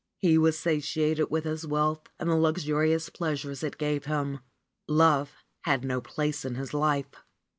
He was satiated with his wealth and the luxurious pleasures it gave him. Love had no place in his life.